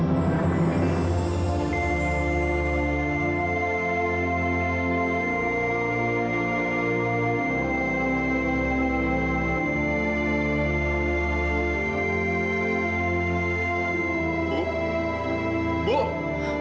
sampai datang teman